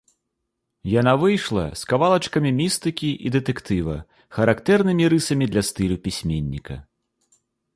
Яна выйшла з кавалачкамі містыкі і дэтэктыва, характэрнымі рысамі для стылю пісьменніка.